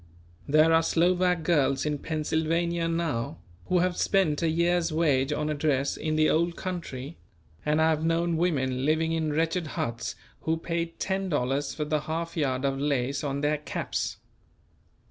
There are Slovak girls in Pennsylvania now, who have spent a year's wage on a dress in the old country; and I have known women living in wretched huts who paid ten dollars for the half yard of lace on their caps.